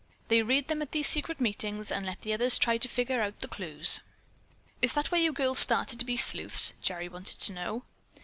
They read them at these secret meetings and let the others try to figure out clues." "Is that why you girls started to be sleuths?" Gerry wanted to know.